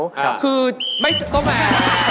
ครับคือไม่จัดตรงแค่